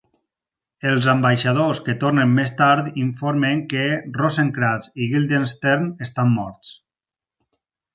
Els ambaixadors que tornen més tard informen que "Rosencrantz i Guildenstern estan morts.